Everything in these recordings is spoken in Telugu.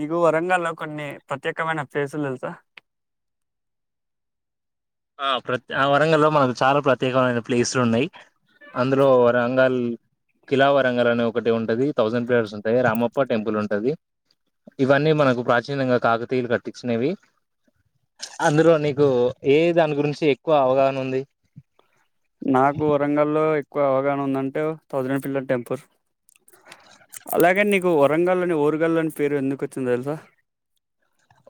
నకు వరంగల్ లో కొన్ని ప్రత్యేకమైన ప్లేసులు తెలుసా ఆ ప్ర ఆ వరంగ లో మనకు చాలా ప్రత్యేకమైన ప్లేసులు ఉన్నాయి అందులో వరంగాల్ కిలా వరంగల అనే ఒకటి ఉంటది థౌసండ్ పిల్లర్స్ ఉంటాయి రామప్ప టెంపుల్ ఉంటది ఇవన్నీ మనకు ప్రాచీనంగా కాకతీయులు కట్టించినవి అందులో నీకు ఏన్నీ దాని గురించి ఎక్కువ అవగాహన ఉంది నాకు వరంగల్ లో ఎక్కువ అవగాహన ఉందంటే తౌసండ్ పిల్లర్ టెంపుల్ అలాగే నీకు వరంగల్ని ఓరుగాల్ళని పేరు ఎందుకు వచ్చిందో తెలుసా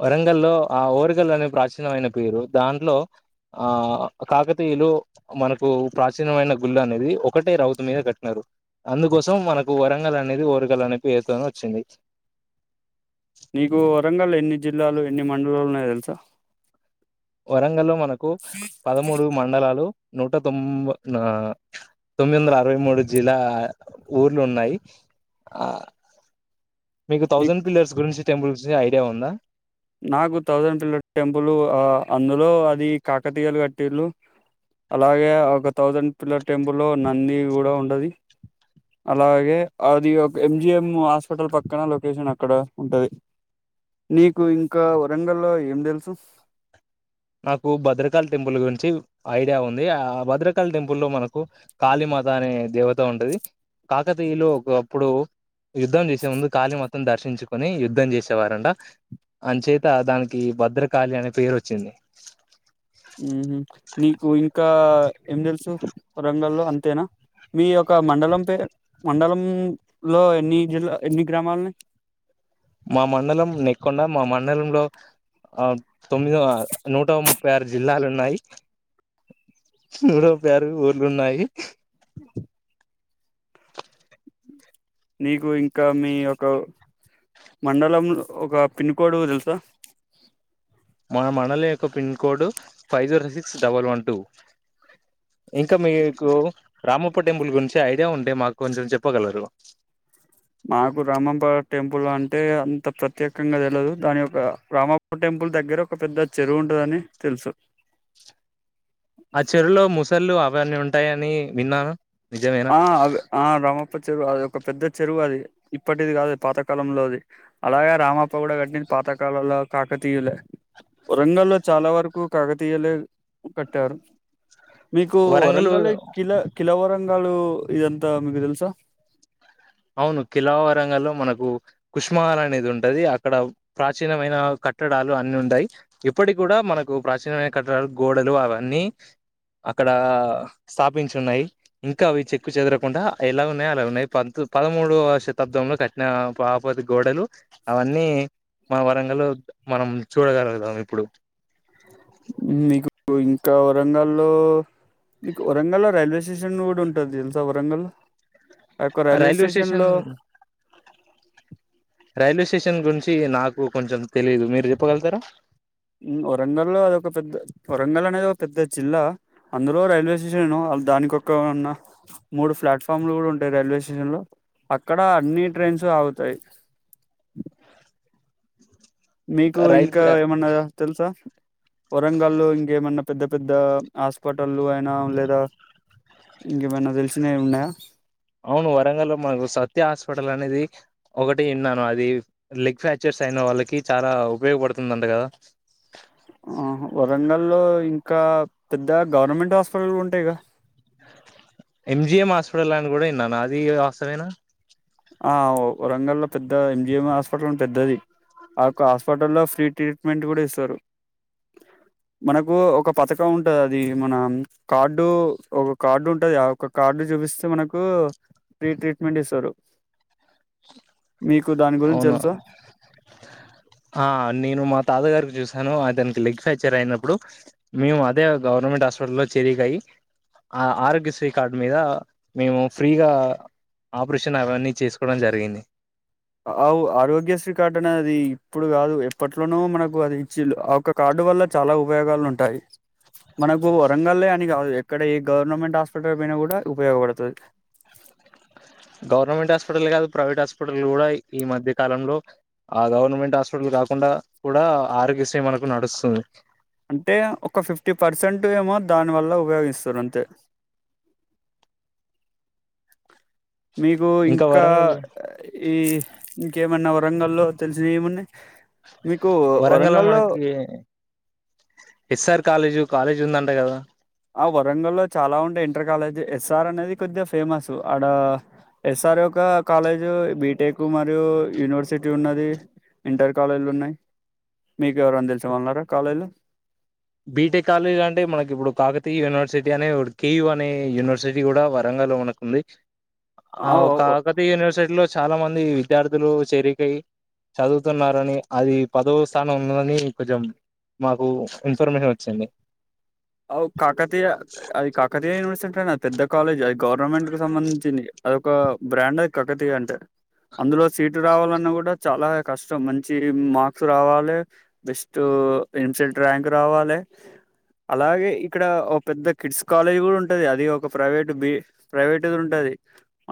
వరంగల్లో ఆ ఓరగల్ అనే ప్రాచీనమైన పేరు దాంట్లో ఆ కాకతీయులు మనకు ప్రాచీనమైన గుళ్ళు అనేది ఒకటే రౌతు మీద కట్టినారు అందుకోసం మనకు వరంగల్ అనేది ఓరగల్ అనే పేరుతోనే వచ్చింది నీకు వరంగల్ ఎన్ని జిల్లాలు ఎన్ని మండలాలు ఉన్నాయ తెలుసా వరంగల్ లో మనకు పదమూడు మండలాలు నూట తొం తొమ్మిది వందల అరవై మూడు జిల్లా ఊర్లు ఉన్నాయి ఆ మీకు నీ తౌసండ్ పిల్లర్ గురించి టెంపుల్స్ ఐడియా ఉందా నాకు థౌసండ్ పిల్లర్ టెంపుల్ అందులో అది కాకతీయలు కట్టిల్లు అలాగే ఒక థౌసండ్ పిల్లర్ టెంపుల్ లో నంది కూడా ఉండది అలాగే అది ఒక ఎంజిఎం హాస్పిటల్ పక్కన లొకేషన్ అక్కడ ఉంటది నీకు కు ఇంకా వరంగల్ లో ఏం తెలుసు నాకు భద్రకాళ టెంపుల్ గురించి ఐడియా ఉంది ఆ భద్రకాళ టెంపుల్ లో మనకు కాళిమాత అనే దేవత ఉంటుంది కాకతీయులో ఒకప్పుడు యుద్ధలు చేసే ముందు గా మొత్తం దర్శించుకొని యుద్ధం చేసేవారంట అనిచేత దానికి భద్రకాళి అనే పేరు వచ్చింది నీకు ఇంకా ఏం తెలుసు వరంగల్లో అంతేనా మీ యొక్క మండలం పేరు మండలంలో ఎన్ని జిల్లా ఎన్ని గ్రామాల ఉంటాయి మా మండలం నెక్కొండ మా మండలంలో ఆ తొమ్మిదో నూట ముప్పై ఆరు జిల్లాలు ఉన్నాయి నూట ముప్పై ఆరు ఊర్లు ఉన్నాయి నీకు ఇంకా మీ యొక మండలం ఒక పిన్ కోడ్ తెలుసా మా మండలి యొక్క pin code five zero six double one two ఇంకా మీకు రామప్ప టెంపుల్ గురించి ఐడియా ఉంటే మాకు కొంచెం చెప్పగలరు మాకు రామప్ప టెంపుల్ అంటే అంత ప్రత్యేకంగా తెలియదు దాని యొక్క రామప్ప టెంపుల్ దగ్గర ఒక పెద్ద చెరువు ఉంటదని తెలుసు ఆ చెరులో ముసళ్ళు ఆ ఇవన్నీ ఉంటాయని విన్నాను నిజమేనా ఆ అ రమ అప్ప చెరువు అది ఒక పెద్ద చెరువు అది ఇప్పటిది కాదు పాతకాలంలో అది అలాగే రామప్ప కూడా కట్టినది పాతకాలంలో కాకతీయులే వరంగ లో చాలా వరకు కాకతీయులే కట్టారు మీకు వరంగల్ కిల కిలవర బంగాళ ఇదంతా మీకు తెలుసా అవును కిలావరంగలో మనకు కుష్మహాల అనేది ఉంటది అక్కడ ప్రాచీనమైన కట్టడాలు అన్నిీ ఉంటయి ఇప్పటి కూడా మనకు ప్రాచీనమైన కట్టడాలు గోడలు అవన్నీ అక్కడ స్థాపించి ఉన్నాయి ఇంకా అవి చెక్కు చెదరకుండా ఎలా ఉన్నాయి అలా ఉన్నాయి పదమూడువ శతాబ్దంలో కఠిన బాపతి గోడలు అవన్నీ మన వరంగలో మనం చూడగలుగుతాం ఇప్పుడు మీకు ఇంకా వరంగల్ల్లో మీకు వరంగల్ల్లో రైల్వే స్టేషన్ కూడా ఉంటది తెలుసా వరంగల్ ఆయొక్క రైల్వే స్టేషన్ లో రైల్వే స్టేషన్ గురించి నాకు కొంచెం తెలీదు మీరు చెప్పగలుగుతారా వరంగల్ లో అద ఒక పెద్ద వరంగల్ అనేది ఒక పెద్ద జిల్లా అందులో రైల్వే స్టేషన్ దానికొక్క ఉన్న మూడు ప్లాట్ఫామ్లు కూడా ఉంటాయి రైల్వే స్టేషన్ లో అక్కడ అన్ని ట్రైన్స్ ఆగుతాయి మీకు రైల్ ఇంకా ఏమన్నా తెలుసా వరంగాల్లో ఇంకేమన్న పెద్ద పెద్దా, హాస్పటల్లు అయినా లేదా ఇంకేమైనా తెలిసినయ్ ఉన్నయా? అవును, వరంగల్ లో మనకు సత్య హాస్పిటల్ అనేది ఒకటి ఇన్నాను. అదీ లెగ్ ఫ్రాక్చర్స్ అయిన వాళ్ళకి చాలా ఉపయోగపడుతుందంట కదా? ఆహ వరంగల్ లో ఇంకా, పెద్దగ గవర్నమెంట్ హాస్పటళ్ళు గూడుంటయిగా? ఎం జి ఎం హాస్పిటల్ అనిగూడ ఇన్నాను, అదీ వాస్తమేనా? ఆ, వరంగల్ల ప్ పెద్దగా ఎం జి ఎం హాస్పిటలు పెద్దది. ఆ యొక్క హాస్పిటల్లో ఫ్రీ ట్రీట్మెంట్ కూడ ఇస్తారు. మనకూ ఒక పథకం ఉంటది, అది మన కార్డు ఒక కార్డు ఉంటది, ఆయొక్క కార్డు చూపిస్తే, మనకు ఫ్రీ ట్రీట్మెంట్ ఇస్తరు. గురించి అవునా! తెలుసా హా నేను మా తాతాగారికి చుప్ చూసాను అతనికి లెగ్ ఫ్యాక్చర్ అయినప్పుడు, మేము అదే గవర్నమెంట్ హాస్పిటల్లో చేరిక అయి, ఆ ఆరోగ్యశ్రీ కార్డ్ మీద మేము ఫ్రీగా ఆపరేషన్ అవన్నీ చేసుకోవడం జరిగింది. అవ్ ఆరోగ్యశ్రీ కార్డనేది ఇప్పుడు కాదు, ఎప్పట్లోనో మనకు అది ఇచ్చిండు. ఆ ఒక్క కార్డు వల్ల చాలా ఉపయోగాలు ఉంటాయి. మనకు వరంగల్లే అని కాదు ఎక్కడ ఏ గవర్నమెంట్ హాస్పిటల్ పోయ్న కూడా ఉపయోగపడుతది. గవర్నమెంట్ హాస్పిటల్నే కాదు, ప్రైవేట్ హాస్పిటళ్ల కూడ ఈ మధ్య కాలంలో ఆ గవర్నమెంట్ హాస్పిటల్ కాకుండా కూడా ఆరోగ్య శ్రీ మనకు నడుస్తుంది. అంటే ఒక ఫిఫ్టీ పర్సెంట్ ఏమో, దాని వల్ల ఉపయోగిస్తరు అంతే. మీకు ఇంకా, ఈ ఇంకేమన్నా వచ్ రంగల్లో తెలిసినయ్ ఏమున్నయ్? వరంగల్ల మనకి, ఎస్ ఆర్ కాలేజు కాలేజ్ ఉందంట గదా? ఆ వరంగల్ల చాలా ఉంటయ్, ఇంటర్ కాలేజీ ఎస్ ఆర్ అనేది కొద్దిగ ఫేమస్. ఆడ ఎస్ ఆర్ యొక్క కాలేజ్ బీటెక్ మరియు యూనివర్సిటీ ఉన్నది. ఇంటర్ కాలేజీలున్నయి. మీకు ఎవరన్తెలిసిన వాల్నారా కాలేజీల? బీటెక్ కాలేజీ అంటే మనకి ఇప్పుడు కాకతీయ యూనివర్సిటీ అనే ఒకటి కె యూ అనే యూనివర్సిటీ కూడా వరంగల్లో మనకు ఉంది. అవ్ ఆవు, అవ్ ఓ కాకతీయ యూనివర్సిటీలో చాలా మంద్ ది విద్యార్థులు చేరికై చదువుతున్నారని, అది పదో స్థానం ఉన్నదని కొంచెం మాకు ఇన్ఫర్మేషన్ వచ్చింది. అవు కాకతీయ, అది కాకతీయ యనివర్సెట్లనే అద్ పెద్ద కాలేజయిత్ గవర్నమెంట్ కు సంబంధించింది. అదొక బ్రాండ్ అది కకతీయంటే. అందులో సీటు రావాలన్న కూడ చాలా కష్టం, మంచి మార్క్స్ రావాలే, బెస్ట్ ఎంసెట్ ర్యాంక్ రావాలె. అలాగే ఇక్కడ ఒ పెద్ద కిడ్స్ కాలేజ్ గూడుంటది. అది ఒక ప్రైవేటు బి ప్రైవేట్దుంటది,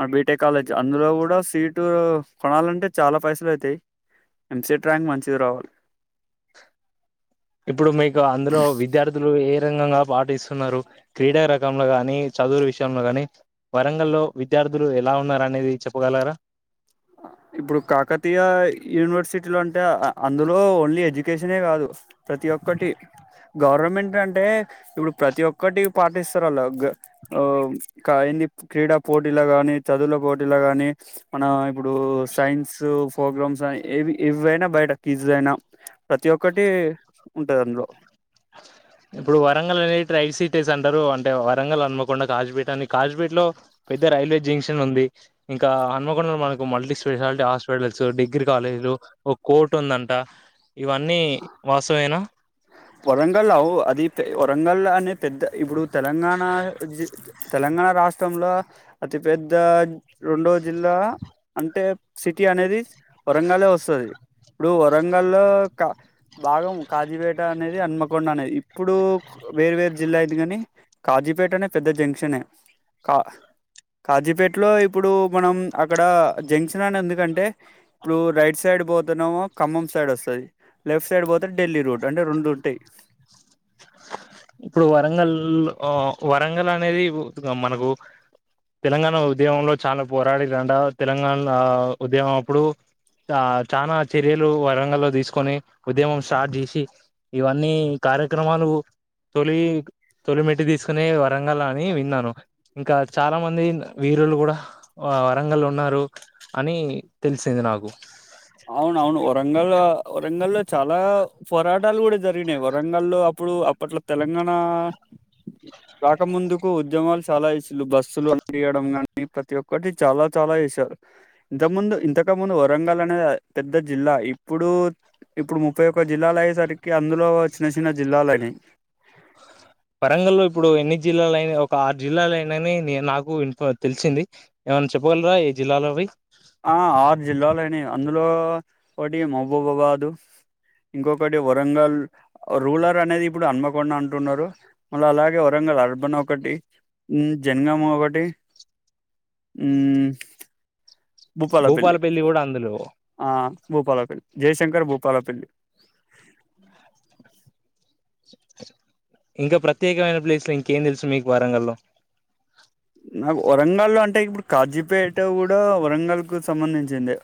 ఆ బీటెక్ కాలేజ్. అందులో కూడా సీటు కొనాలంటే చాలా పైసలయితయి. ఎంసెట్ ర్యాంక్ మంచిగ రావాలి. ఇప్పుడు మీకు అందులో విద్యార్థులు ఏ దంగంగా పాటిస్తున్నరు క్రీడా రకంల గాని, చదువుల విషయంల గాని వరంగల్లో విద్యార్థులు ఎలా ఉన్నారనేది చెప్పగలరా? ఇప్పుడు కాకతీయ యూనివర్సిటిలు అంటే, అందులో ఓన్లీ ఎడ్యుకేషనే కాదు, ప్రతి ఒక్కటి. గవర్నమెంట్ అంటే ఇప్పుడు ప్రతి ఒక్కటి పాటిస్తరాళ్ళు, గ ఆ ఏంది క్రీడా పోటీల గాని చదువుల పోటీల కాగాని మన ఇప్పుడు సైన్స్ ఫోగ్రామ్స్ అని, ఏవి ఇవైనా బయట క్విజ్ అయినా, ప్రతి ఒక్కటి ఉంటది అందులో. ఇప్పుడు వరంగల్ని ట్రై సిటీస్ అంటరు. అంటే వరంగల్, హన్మకొండ, కాజిపేట అని. కాజుపేటలో పెద్ద రైల్వే జంక్షన్ ఉంది. ఇంకా హన్మకొండ లో మనకు మల్టీ స్పెషాలిటీ హాస్పిటల్స్, డిగ్రీ కాలేజీలు, ఓ కోర్టు ఉందంట. ఇవన్నీ వాస్థమేనా? వరంగల్ అవు, అది పె వరంగల్లా అనే పెద్ద ఇప్పుడు తెలంగాణ జి తె తెలంగాణ రాష్ట్రంలో అతిపెద్ద రెండో జిల్లా అంటే, సిటీ అనేది వరంగల్లే వస్తది. ఇప్పుడు వరంగల్లో క భాగం కాజీపేట్ ట అనేది అన్మకొండ అనేద్. ఇప్పుడు వేరు వేరు జిల్లా అయింది గని కాజీపేటనే పెద్ద జంక్షనే. క కాజీపేటలో ఇప్పుడు మనం అక్కడ జంక్షన్ అనేన్దుకంటే ఇప్పుడు రైట్ సైడ్ పోతనేమో ఖమ్మం సైడ్ వస్తది, లెఫ్ట్ సైడ్ పోతె ఢిల్లీ రోడ్. దంటె రోండుంటయ్ ఇప్పుడు వరంగల్ ఆ వరంగల్ అనేది ఉ మనకు తెలంగాణ ఉద్యమంలో చాల పోరాడిర్రంట. తెలంగాణ ఉద్యమం అప్పుడు చా చాన చర్యలు వరంగల్లో తీసుకొని ఉద్యమం స్టార్ట్ చేసి ఇవన్నీ కార్యక్రమాలు గు తొలి తొలి మెట్టు తీసుకునే వరంగల్ల అని విన్నాను. ఇంకా చాలా మంది వీరులు గూడ వరంగల్ల ఉన్నారు అని తెలిసింది నాకు. అవును అవును వరంగల్లో వరంగల్లో చాలా పోరాటాలు కూడా జరిగినాయి, వరంగల్లో అప్పుడు అప్పట్లో తెలంగాణా రాకముందుకు ఉద్యమాలు చాలా చేసిలు బస్సులు అంటియడం కానీ ప్రతి ఒక్కటి చాలా చాలా చేసారు. ఇంత ముందు ఇంతక ముందు వరంగల్ అనేది పెద్ద జిల్లా ఇప్పుడు ఇప్పుడు ముప్పై ఒక్క జిల్లాలు అయ్యేసరికి అందులో చిన్న చిన్న జిల్లాలైనయి వరంగల్లో ఇప్పుడు ఎన్ని జిల్లాలైనయి ఒక ఆరు జిల్లాలు అయినయని ని నాకు ఇన్ఫ తెలిసింది. ఏమన్న చెప్పగలరా ఏ జిల్లాలవి ఆ ఆరు జిల్లాలైనయి అందులో ఒకటి మహబూబాబాదు ఇంకొకటి వరంగల్ రూలర్ అనేది ఇప్పుడు అన్మకొండా అంటున్నారు. మల్ల అలాగే వరంగల్ అర్బన్ ఒకటి జంగమ ఒకటి మ్మ్ భూపాలపెల్లి కూడ అందులో భూపాలపెల్లి జయశంకర్ భూపాలపెల్లి ఇంక ప్రత్యేకమైన ప్లేస్ లో ఇంకేం తెలుసు మీకు వరంగల్లో? నాకు వరంగల్లో అంటే ఇప్పుడు కాజీపేట కూడా వరంగాల్ కు సంబంధించిందే.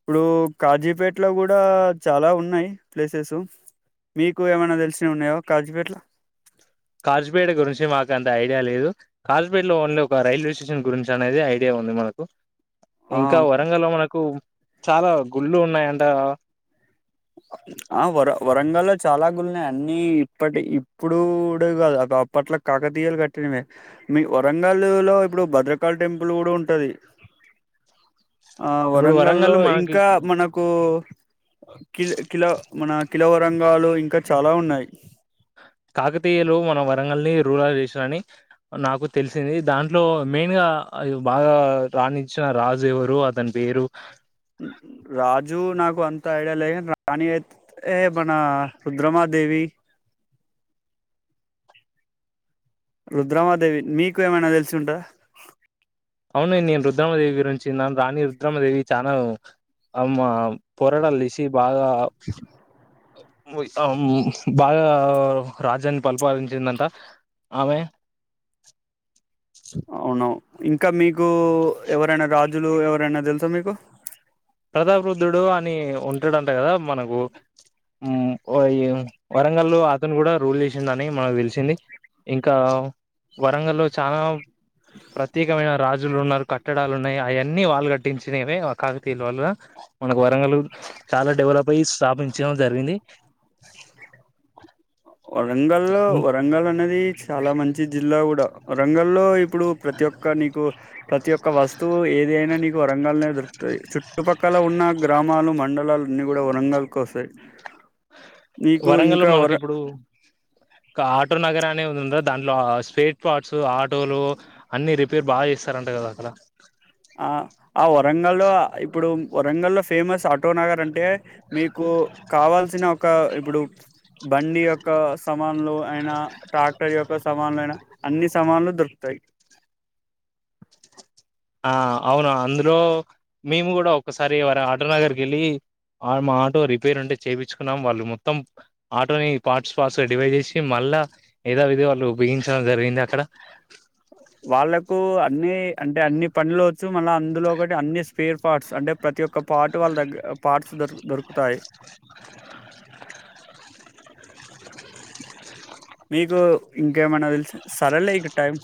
ఇప్పుడు కాజీపేట్ల కూడా చాల ఉన్నాయి ప్లేసెస్, మీకు ఏమైనా తెలిసినవి ఉన్నాయా కాజీపేట్ల కాజుపేట గురించి మాకు అంత ఐడియా లేదు. కాజుపేటలో ఓన్లీ ఒక రైల్వే స్టేషన్ గురించి అనేది ఐడియా ఉంది మనకు. ఇంక ఆ, వరంగల్లో మనకు చాలా గుళ్ళు ఉన్నాయ అంట ఆ వర వరంగల్లో చాలా గుళ్ళున్నాయి అన్నీ ఇప్పటి ఇప్పుడూ కూడ కాదు. అదప్పట్లో కాకతీయాలు కట్టినవే మీ వరంగల్ లో ఇప్పుడు భద్రకాళి టెంపుల్ కూడ ఉంటది. ఆ ఇప్పుడు వరంగల్ వరంగల్లో మనకి ఇంకా మనకు అ కిల్ కిల మన కిలావరంగాలు ఇంకా చాలా ఉన్నయి. కాకతీయులు మన వరంగల్ని రూరల్ చేసిరని అని నాకు తెలిసింది. దాంట్లో మెయిన్ గా బాగా రాణించిన రాజు ఎవరు అతని పేరు రాజు నాకు అంత ఐడియా లేద్ గాని రాణి అయి మన రుద్రమా దేవి రుద్రామాదేవి. మీకు ఏమైనా తెలిసి ఉంటదా? అవును నేను రుద్రామదేవి గురించి విన్నాను రాణి రుద్రామదేవి చానా అమ్మ పోరాటాలు తీసి, బాగా అమ్ బాగా రాజ్యాన్ని పరిపాలించిందంట ఆమె. అవును. ఇంక మీక్ కూ ఎవరైనా రాజ్ జులు ఎవరైనా తెలుసా మీకు? ప్రబుద్ధుడు అని ఉంటాడంట కదా మనకు, మ్ ఈ వరంగల్లో అతను కూడా రూల్ చేసిండని మనకు తెలిసింది, ఇంకా వరంగల్లో చానా ప్రత్యేకమైన రాజులు ఉన్నారు, కట్టడాలు ఉన్నాయి, అయన్నీ వాళ్ళు కట్టించినవే కా దీని వల్ల మనకు వరంగలు చాలా డెవలప్ అయి స్థాపించడం జరిగింది. వరంగల్లో వరంగల్ అనేది చాలా మంచి జిల్లా కూడా వరంగల్లో ఇప్పుడు ప్రతి ఒక్క నీకు ప్రతి ఒక్క వస్తువు ఏదైనా నీకు వరంగల్నే దొరుకు తయి చుట్టుపక్కల ఉన్న గ్రామాలు మండలాలు అన్నీ గూడ వరంగల్ కే వస్తాయి. నీకు ఇంకా వరం కా ఆటో నగర్ అనే ఉంది దాంట్లో స్పేర్ పార్ట్స్ ఆటోలు అన్ని రిపేర్ బాగా చేస్ తరంట కదా అక్కడ ఆ ఆ వరంగల్లో ఇప్పుడు వరంగల్లో ఫేమస్ ఆట్ టోనగరంటే మీకు కావాల్సిన ఒక ఇప్పుడు. బండి యొక్క సమా. లో అయిన, ట్రాక్టర్ యొక్క సమన్లో అయినా. అన్ని సమాన్లు దొరుకుతాయి. ఆ అవును అందులో మేము గూడా ఒకసారి వారి ఆటోనగర్కెళ్ళి మా ఆటో రిపేర్ ఉంటే చేపించుకున్నాం వాళ్ళు మొత్తం ఆటోని పార్ట్స్ పార్ట్స్ గా డివైజ్ చేసి మళ్ళా ఏద విదిగా వాళ్ళు బిగించడం జరిగింది అక్కడ. వాళ్ళకు అన్ని అంటే అన్ని పనులు. చ్చు మళ్ళ అందులో ఒకటి అన్ని. స్పేర్ ఫార్ట్స్ అంటే ప్రతి ఒక్క. పార్ట్ వాళ్ళ దగ్గ పా. ట్సూ దొరుకు దొరుకుతాయి. మీకు ఇంకేమన్నా తెలిస సరేలే ఇక టైం.